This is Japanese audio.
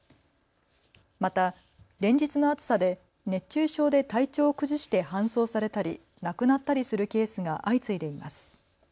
また連日の暑さで熱中症で体調を崩して搬送されたり亡くなったりするケースが相次いでいます。